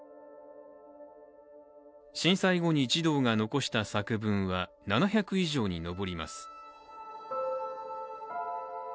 震災後に児童が残した作文は７００以上に上ります。